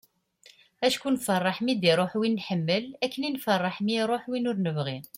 acku nfeṛṛeḥ mi d-iruḥ win nḥemmel akken i nfeṛṛeḥ mi iruḥ win ur nebɣi